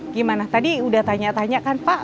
gimana tadi udah tanya tanya kan pak